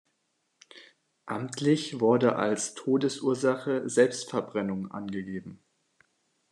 Amtlich wurde als Todesursache Selbstverbrennung angegeben.